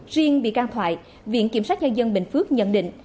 riêng bị can thoại viện kiểm sát nhân dân bình phước nhận định